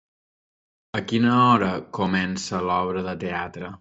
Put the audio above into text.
A quina hora comença l'obra de teatre?